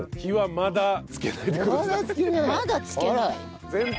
まだつけない？